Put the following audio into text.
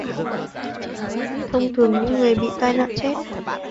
Thông thường những người bị tai nạn chết